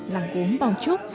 làng bố bảo trúc